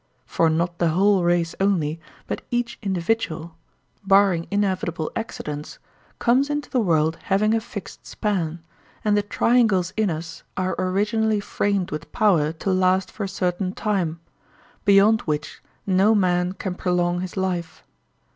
For not the whole race only, but each individual—barring inevitable accidents—comes into the world having a fixed span, and the triangles in us are originally framed with power to last for a certain time, beyond which no man can prolong his life.